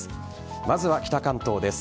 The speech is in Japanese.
まずは北関東です。